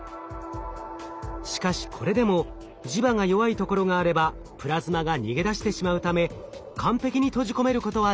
しかしこれでも磁場が弱いところがあればプラズマが逃げ出してしまうため完璧に閉じ込めることはできません。